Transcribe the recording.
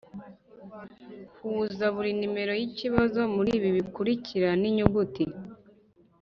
huza buri nimero y’ikibazo muri ibi bikurikira n’inyuguti